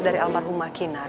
dari almarhumah kinar